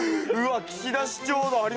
うわ岸田市長だ。